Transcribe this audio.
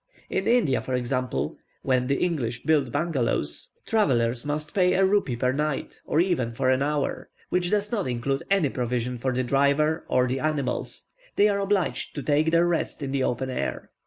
In India, for example, where the English build bungalows, travellers must pay a rupee per night, or even for an hour, which does not include any provision for the driver or the animals: they are obliged to take their rest in the open air.